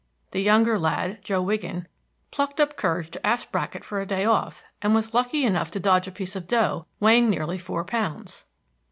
The younger lad, Joe Wiggin, plucked up courage to ask Brackett for a day off, and was lucky enough to dodge a piece of dough weighing nearly four pounds.